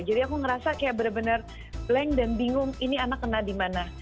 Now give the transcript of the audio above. jadi aku ngerasa kayak bener bener blank dan bingung ini anak kena dimana